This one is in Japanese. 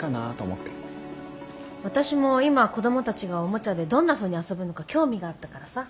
私も今子どもたちがおもちゃでどんなふうに遊ぶのか興味があったからさ。